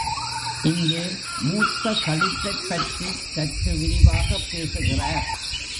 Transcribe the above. இங்கே மூத்த களிற்றைப் பற்றிச் சற்று விரிவாகப் பேசுகிறார்.